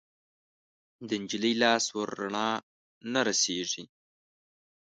د نجلۍ لاس ورڼا نه رسیږي